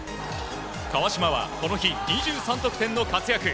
川島は、この日２３得点の活躍。